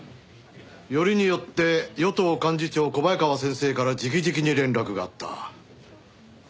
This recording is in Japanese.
よりによって与党幹事長小早川先生から直々に連絡があった。